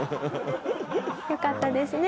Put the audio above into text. よかったですね。